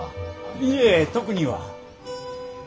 いいえ特には。